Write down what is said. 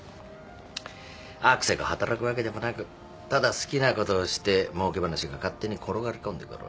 あくせく働くわけでもなくただ好きなことをしてもうけ話が勝手に転がり込んでくる。